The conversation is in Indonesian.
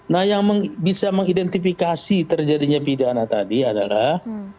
nah yang bisa mengidentifikasi terjadinya pidana tadi adalah